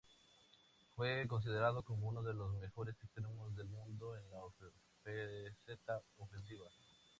Fue considerado como uno de los mejores extremos del mundo, en la faceta ofensiva.